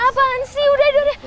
apaan sih udah deh